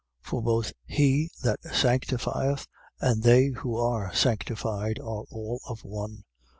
For both he that sanctifieth and they who are sanctified are all of one.